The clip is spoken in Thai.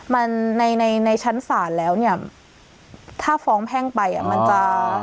มันในแสนสารแล้วเนี่ยถ้าฟ้องแพ่งไปมันจะ